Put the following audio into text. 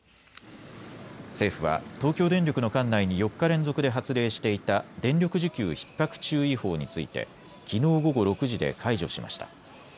政府は東京電力の管内に４日連続で発令していた電力需給ひっ迫注意報についてきのう午後６時で解除しました。